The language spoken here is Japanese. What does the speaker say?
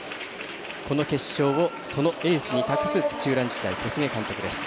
この決勝を、そのエースに託す土浦日大、小菅監督です。